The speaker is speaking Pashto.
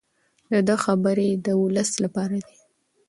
د ده خبرې د ولس لپاره دي.